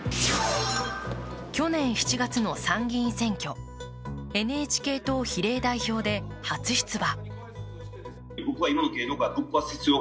去年７月の参議院選挙、ＮＨＫ党比例代表で初出馬。